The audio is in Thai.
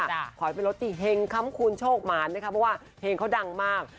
ขอให้เป็นรถที่เฮงค้ำคูณโชคหมานนะคะเพราะว่าเฮงเขาดังมาก